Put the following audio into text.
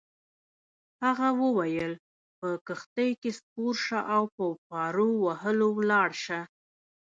هغه وویل: په کښتۍ کي سپور شه او په پارو وهلو ولاړ شه.